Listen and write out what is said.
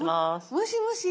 もしもし。